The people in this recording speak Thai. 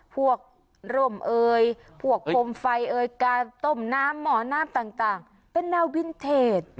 กร่มเอยพวกโคมไฟเอ่ยการต้มน้ำหมอน้ำต่างเป็นแนววินเทจ